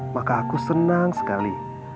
maka aku senang sekali